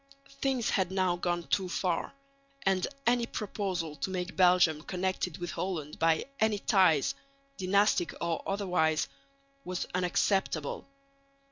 Things had now gone too far, and any proposal to make Belgium connected with Holland by any ties, dynastic or otherwise, was unacceptable.